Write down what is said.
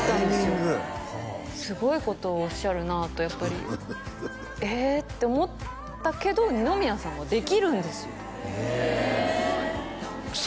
タイミングはあすごいことをおっしゃるなとやっぱりえって思ったけど二宮さんはできるんですよえ嘘！